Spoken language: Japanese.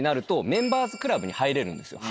メンバーズクラブに入れるんですよ。